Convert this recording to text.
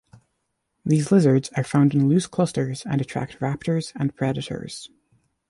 These lizards are found in loose clusters and attract raptors and predators.